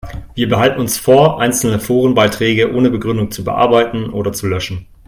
Wir behalten uns vor, einzelne Forenbeiträge ohne Begründung zu bearbeiten oder zu löschen.